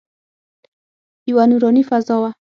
یوه نوراني فضا وه.